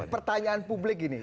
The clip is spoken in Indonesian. pertanyaan publik ini